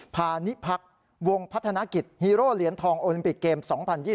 พานิพักษ์วงพัฒนกิจฮีโร่เหรียญทองโอลิมปิกเกม๒๐๒๐